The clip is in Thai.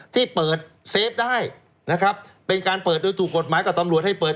ที่เปิดเซฟได้นะครับเป็นการเปิดโดยถูกกฎหมายกับตำรวจให้เปิด